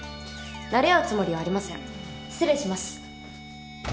なれ合うつもりはありません失礼します。